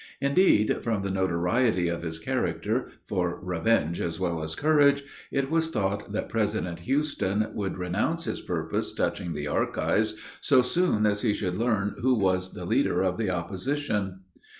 Indeed, from the notoriety of his character, for revenge as well as courage, it was thought that President Houston would renounce his purpose touching the archives, so soon as he should learn who was the leader of the opposition.